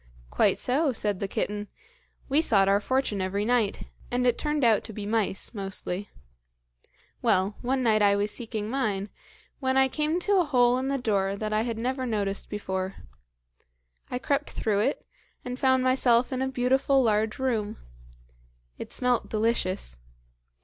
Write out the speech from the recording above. "Quite so," said the kitten; "we sought our fortune every night, and it turned out to be mice, mostly. Well, one night I was seeking mine, when I came to a hole in the door that I had never noticed before. I crept through it, and found myself in a beautiful large room. It smelt delicious.